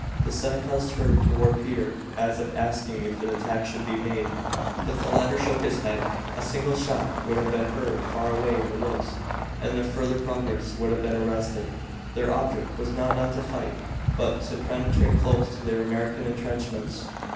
The Senecas turned toward Peter as if asking if an attack should be made, but the latter shook his head. A single shot would have been heard far away in the woods and their further progress would have been arrested. Their object now was not to fight, but to penetrate close to the American intrenchments.